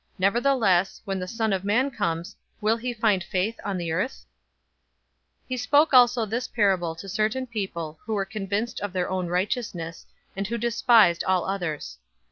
Nevertheless, when the Son of Man comes, will he find faith on the earth?" 018:009 He spoke also this parable to certain people who were convinced of their own righteousness, and who despised all others.